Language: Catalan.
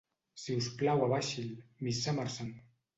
Si us plau abaixi'l, Miss Summerson!